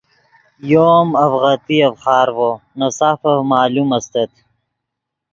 یو ام اڤغتیف خارڤو نے سافف معلوم استت